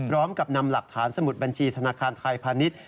พร้อมกับนำหลักฐานสมุดบัญชีธนาคารไทยพาณิชย์